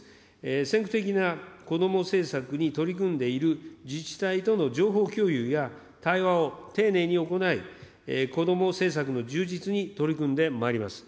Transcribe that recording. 先駆的なこども政策に取り組んでいる自治体との情報共有や、対話を丁寧に行い、こども政策の充実に取り組んでまいります。